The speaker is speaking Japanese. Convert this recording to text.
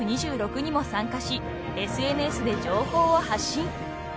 ２６にも参加しＳＮＳで情報を発信］